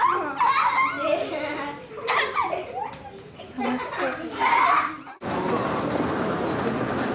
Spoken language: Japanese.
楽しそう。